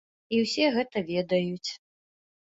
І ўсе гэтыя ведаюць.